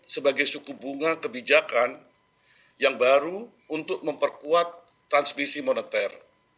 sebagai suku bunga kebijakan yang baru untuk memperkuat transmisi moneter